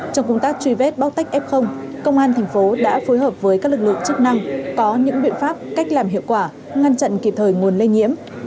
trong công tác truy vết bóc tách f công an thành phố đã phối hợp với các lực lượng chức năng có những biện pháp cách làm hiệu quả ngăn chặn kịp thời nguồn lây nhiễm